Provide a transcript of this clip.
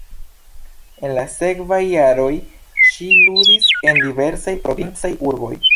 En la sekvaj jaroj ŝi ludis en diversaj provincaj urboj.